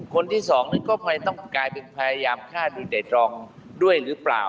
คนที่สองนั้นก็ไม่ต้องกลายเป็นพยายามฆ่าโดยแต่ตรองด้วยหรือเปล่า